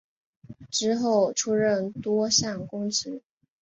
之后出任多项公职。